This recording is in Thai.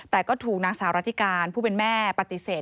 แต่ก็ถูกนางสาวรัติการผู้เป็นแม่ปฏิเสธ